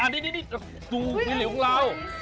นี่ดูผีเหลวของเรา